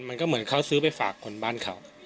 มันก็เหมือนเขาซื้อไปฝากคนบ้านเขา